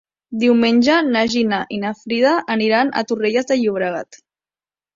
Diumenge na Gina i na Frida aniran a Torrelles de Llobregat.